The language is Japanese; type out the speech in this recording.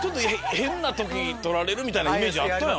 変な時撮られるみたいなイメージあったやん。